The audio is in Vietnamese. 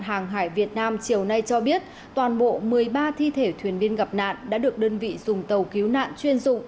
hàng hải việt nam chiều nay cho biết toàn bộ một mươi ba thi thể thuyền viên gặp nạn đã được đơn vị dùng tàu cứu nạn chuyên dụng